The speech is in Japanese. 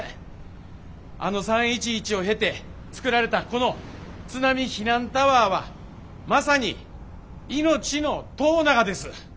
あの３．１１を経て造られたこの津波避難タワーはまさに命の塔ながです。